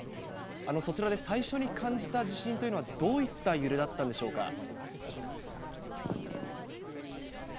そちらで最初に感じた地震というのは、どういった揺れだったんでしょうか。